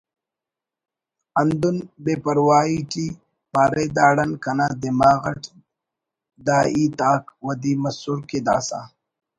ہندن بے پرواہی ٹی پارے داڑان کنا دماغ اٹ داہیت آک ودی مسر کہ داسہ